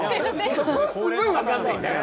そこがすごいわかんないんだから！